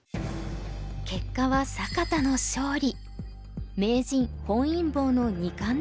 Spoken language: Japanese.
結果は坂田の勝利。